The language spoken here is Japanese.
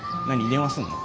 電話すんの？